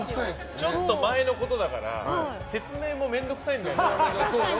ちょっと前のことだから説明も面倒くさいんだよね。